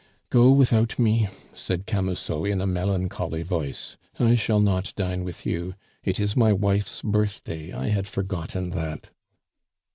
"Go without me," said Camusot in a melancholy voice; "I shall not dine with you. It is my wife's birthday, I had forgotten that."